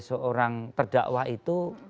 seorang terdakwa itu